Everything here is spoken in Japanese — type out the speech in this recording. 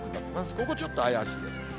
ここちょっと怪しいです。